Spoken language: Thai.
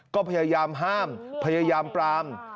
ก็พยายามห้ามพยายามปราม